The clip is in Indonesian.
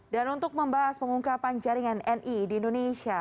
untuk membahas pengungkapan jaringan ni di indonesia